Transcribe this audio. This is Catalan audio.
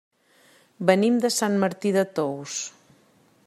Venim de Sant Martí de Tous.